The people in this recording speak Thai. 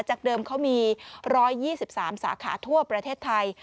จากเดิมเขามี๑๒๓สาขาทั่วประเทศไทย